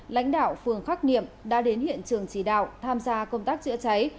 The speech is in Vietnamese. lãnh đạo phường khắc niệm đã đến hiện trường chỉ đạo tham gia công tác chữa cháy